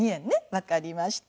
わかりました。